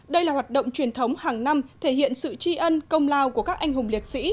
đây là hoạt động truyền thống hàng năm thể hiện sự tri ân công lao của các anh hùng liệt sĩ